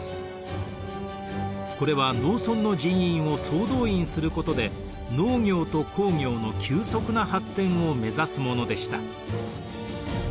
これは農村の人員を総動員することで農業と工業の急速な発展を目指すものでした。